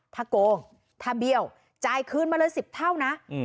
ถ้าโกงถ้าเบี้ยวจ่ายคืนมาเลย๑๐เท่านะ